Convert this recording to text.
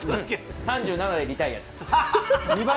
３７でリタイアです。